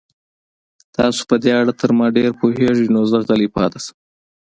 تاسو په دې اړه تر ما ډېر پوهېږئ، نو زه غلی پاتې شم.